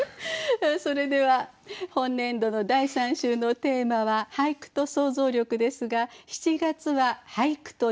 それでは本年度の第３週のテーマは「俳句と想像力」ですが７月は「俳句と夢」です。